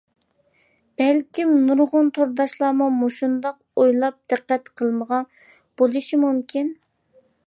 بەلكىم، نۇرغۇن تورداشلارمۇ مۇشۇنداق ئويلاپ، دىققەت قىلمىغان بولۇشى مۇمكىن.